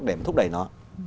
để thúc đẩy nó